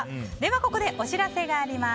ここでお知らせがあります。